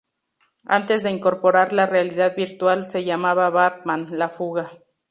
Antes de incorporar la realidad virtual se llamaba Batman: La Fuga.